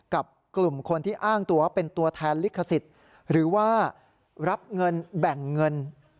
กับกลุ่มคนที่อ้างตัวเป็นตัวแทนลิขสิทธิ์หรือว่ารับเงินแบ่งเงิน